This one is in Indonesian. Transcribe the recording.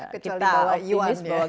kecuali bawa yuan ya kita optimis bahwa